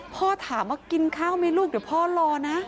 พ่อถามว่ากินข้าวไหมลูกเดี๋ยวพ่อรอนะ